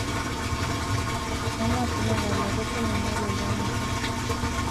emotinwek alak kotinye nyalilda missing